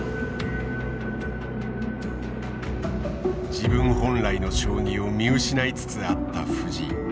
自分本来の将棋を見失いつつあった藤井。